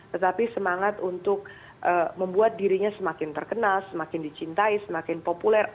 tetapi semangat untuk membuat dirinya semakin terkenal semakin dicintai semakin populer